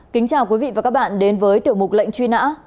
kính chào quý vị và các bạn đến với tiểu mục lệnh truy nã